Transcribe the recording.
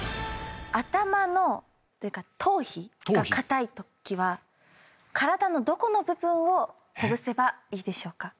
頭のというか頭皮が硬いときは体のどこの部分をほぐせばいいでしょうか？